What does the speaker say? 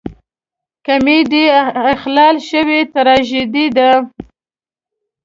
کمیډي اخلال شوې تراژیدي ده.